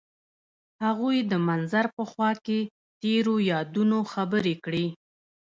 هغوی د منظر په خوا کې تیرو یادونو خبرې کړې.